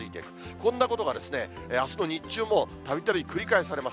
こんなことがあすの日中もたびたび繰り返されます。